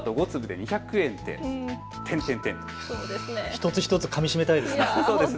一つ一つかみしめたいですね。